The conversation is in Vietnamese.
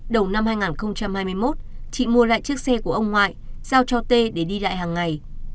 đầu năm hai nghìn hai mươi một chị mua lại chiếc xe của ông ngoại giao cho tê để đi lại hàng ngày